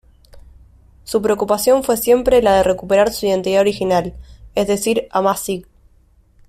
Su preocupación fue siempre la de recuperar su identidad original, es decir amazigh.